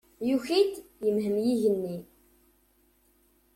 Yuki-d yemhem yigenni.